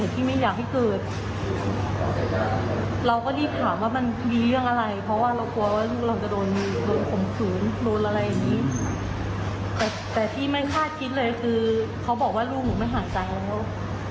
แต่ที่ไม่คาดคิดเลยคือเขาบอกว่าลูกหนูไม่หายใจแล้ว